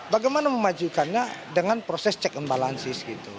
bagaimana memajukannya dengan proses check and balances gitu